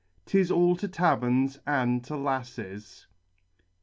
— 'Tis all to taverns and to lasses